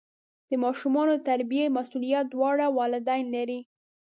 د ماشومانو د تربیې مسؤلیت دواړه والدین لري.